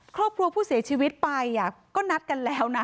ครอบครัวผู้เสียชีวิตไปก็นัดกันแล้วนะ